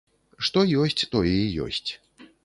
Што ёсць, тое і ёсць.